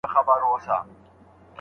لکه دی چي د جنګونو قهرمان وي